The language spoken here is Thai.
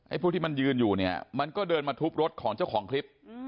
พวกที่มันยืนอยู่เนี่ยมันก็เดินมาทุบรถของเจ้าของคลิป